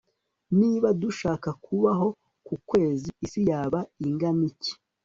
niba dushaka kubaho ku kwezi, isi yaba ingana iki